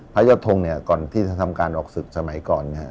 พระยอดทงเนี่ยก่อนที่จะทำการออกศึกสมัยก่อนเนี่ย